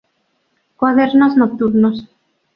Cuadernos nocturnos.